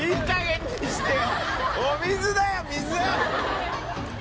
お水だよ水！